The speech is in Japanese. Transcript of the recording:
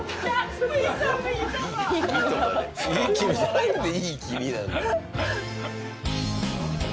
なんでいい気味なんだ。